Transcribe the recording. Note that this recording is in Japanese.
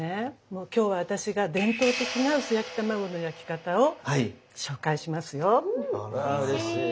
もう今日は私が伝統的な薄焼き卵の焼き方を紹介しますよ。わうれしい！